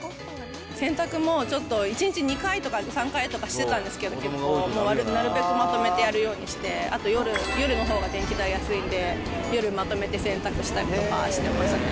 洗濯もちょっと１日２回とか３回とかしてたんですけど、結構、なるべくまとめてやるようにして、あと夜のほうが電気代安いんで、夜まとめて洗濯したりとかしてますね。